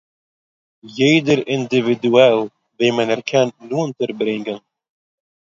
יעדער אינדיווידועל וועמען ער קען נאָענטער ברענגען